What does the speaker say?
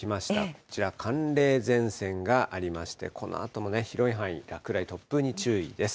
こちら、寒冷前線がありまして、このあとも広い範囲、落雷、突風に注意です。